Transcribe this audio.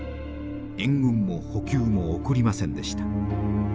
援軍も補給も送りませんでした。